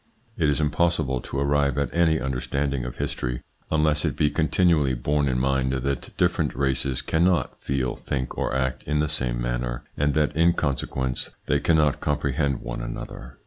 It is impossible to arrive at any under standing of history unless it be continually borne in mind that different races cannot feel, think, or act in the same manner, and that, in consequence, they cannot comprehend one another.